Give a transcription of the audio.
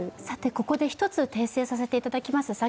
さてここで一つ訂正させていただきます。